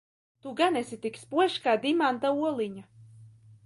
Tu gan esi tik spožs kā dimanta oliņa?